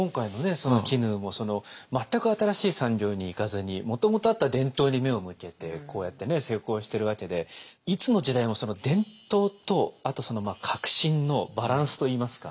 その絹も全く新しい産業にいかずにもともとあった伝統に目を向けてこうやってね成功しているわけでいつの時代も伝統とあと革新のバランスといいますか。